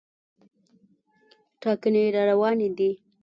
ټاکنې راروانې دي.